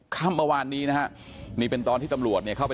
ข้างบนนี้นะฮะนี่เป็นตอนที่ตำรวจจะเข้าไป